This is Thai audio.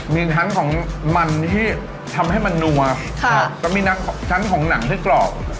มีชั้นของมันที่ทำให้มันนัวจะมีชั้นของหนังให้กรอบ